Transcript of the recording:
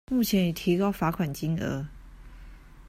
目前已提高罰款金額